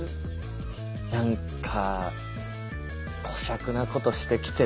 何かこしゃくなことしてきてんだろうね